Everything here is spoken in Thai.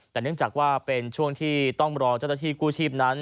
แต่เนื่องจากว่าเป็นช่วงที่ต้องรอเจ้าหน้าที่กู้ชีพนั้น